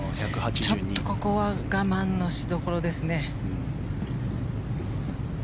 ここは我慢のしどころですね。